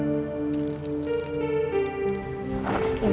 bagaimana hubungannya dengan temanmu